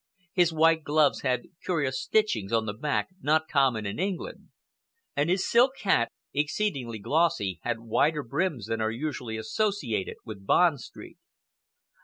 His white gloves had curious stitchings on the back not common in England, and his silk hat, exceedingly glossy, had wider brims than are usually associated with Bond Street.